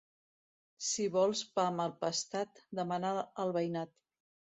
Si vols pa mal pastat demana'l al veïnat.